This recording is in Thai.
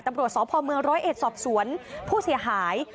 ตัวประวัติศาสตร์ภพเมืองร้อยเอจสอบสวนผู้เสียหาย